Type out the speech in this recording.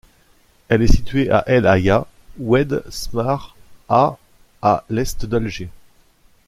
Elle est située à El Alia - Oued Smar à à l’est d’Alger.